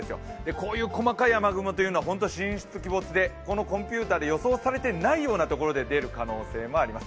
こういう細かい雨雲というのは神出鬼没でこのコンピューターで予想されていないようなところで出る可能性もあります。